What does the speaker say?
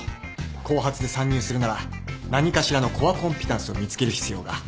後発で参入するなら何かしらのコアコンピタンスを見つける必要が。